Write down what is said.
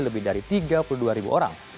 lebih dari tiga puluh dua ribu orang